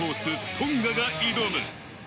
・トンガが挑む。